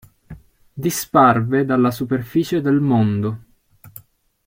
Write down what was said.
Disparve dalla superficie del mondo.